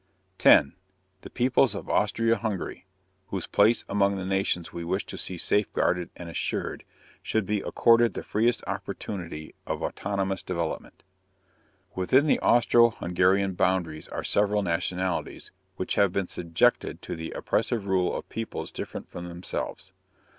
10. _The peoples of Austria Hungary, whose place among the nations we wish to see safeguarded and assured, should be accorded the freest opportunity of autonomous development._ Within the Austro Hungarian boundaries are several nationalities which have been subjected to the oppressive rule of peoples different from themselves.